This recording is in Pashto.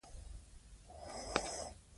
داسې ورځ چې ټول ځوانان کار ولري.